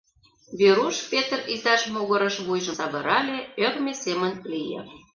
Веруш Петр изаж могырыш вуйжым савырале, ӧрмӧ семын лие.